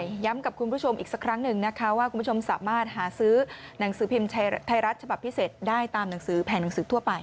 ย้ำกับคุณผู้ชมอีกสักครั้งหนึ่งนะคะว่าคุณผู้ชมสามารถหาซื้อหนังสือพิมพ์ไทยรัฐฉบับพิเศษได้ตามหนังสือแผนหนังสือทั่วไป